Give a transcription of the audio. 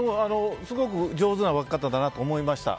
すごく上手な分け方だなと思いました。